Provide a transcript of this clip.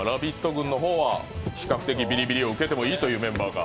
軍の方は比較的ビリビリを受けてもいいというメンバーが。